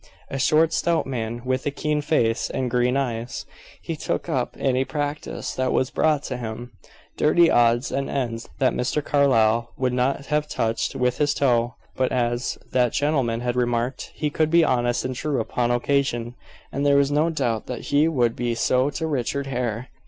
A short stout man, with a keen face and green eyes. He took up any practice that was brought to him dirty odds and ends that Mr. Carlyle would not have touched with his toe but, as that gentleman had remarked, he could be honest and true upon occasion, and there was no doubt that he would be so to Richard Hare.